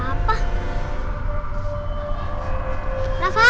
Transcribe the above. ya sebentar lagi